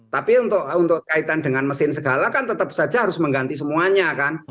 tapi untuk kaitan dengan mesin segala kan tetap saja harus mengganti semuanya kan